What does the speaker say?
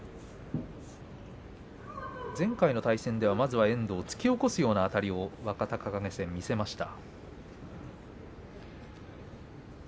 前回の対戦では、まずは遠藤は突き起こすようなあたりを若隆景戦、見せました。